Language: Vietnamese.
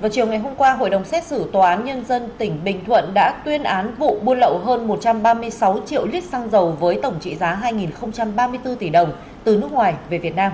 vào chiều ngày hôm qua hội đồng xét xử tòa án nhân dân tỉnh bình thuận đã tuyên án vụ buôn lậu hơn một trăm ba mươi sáu triệu lít xăng dầu với tổng trị giá hai ba mươi bốn tỷ đồng từ nước ngoài về việt nam